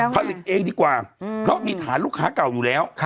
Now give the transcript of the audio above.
ผลิตเองดีกว่าเพราะมีฐานลูกค้าเก่าอยู่แล้ว